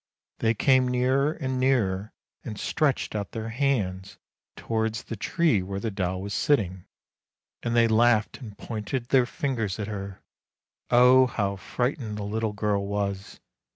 They came nearer and nearer, and stretched out their hands towards the tree where the doll was sitting; and they laughed and pointed their fingers at her. Oh! how frightened the little girl was.